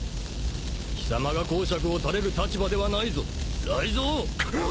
貴様が講釈を垂れる立場ではないぞ雷ぞう！